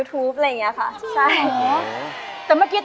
น้องสาวเป็นน้ำหนึ่ง